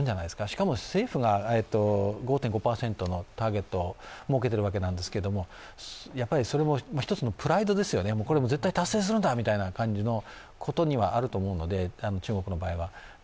しかも政府が５．５％のターゲットを設けているわけですけどそれも一つのプライドですよね、これを絶対達成するんだということにもあると思うので、中国の場合は。